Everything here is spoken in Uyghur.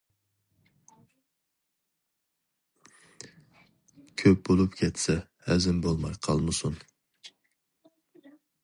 كۆپ بولۇپ كەتسە ھەزىم بولماي قالمىسۇن.